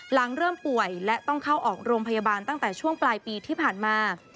หลังเริ่มป่วยและต้องเข้าออกโรงพยาบาลตั้งแต่ช่วงปลายปีที่ผ่านมา